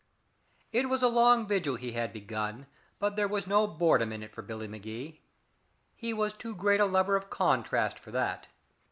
It was a long vigil he had begun, but there was no boredom in it for Billy Magee. He was too great a lover of contrast for that.